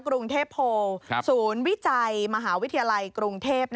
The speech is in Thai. กรุงเทพโพลศูนย์วิจัยมหาวิทยาลัยกรุงเทพ